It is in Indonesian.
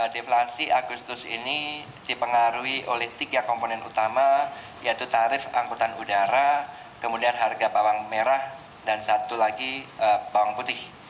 deflasi agustus ini dipengaruhi oleh tiga komponen utama yaitu tarif angkutan udara kemudian harga bawang merah dan satu lagi bawang putih